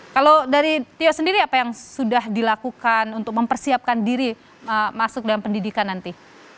kalau dari tio sendiri apa yang sudah dilakukan untuk mempersiapkan diri masuk dalam pendidikan nanti